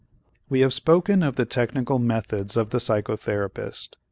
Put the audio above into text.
We have spoken of the technical methods of the psychotherapist.